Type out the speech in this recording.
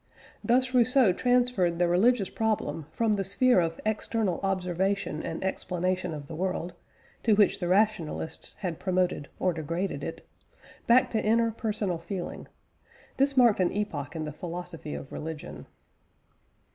Thus Rousseau transferred the religious problem from the sphere of external observation and explanation of the world (to which the rationalists had promoted or degraded it), back to inner personal feeling. This marked an epoch in the philosophy of religion.